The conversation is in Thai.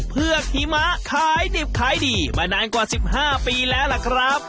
เผือกหิมะขายดิบขายดีมานานกว่า๑๕ปีแล้วล่ะครับ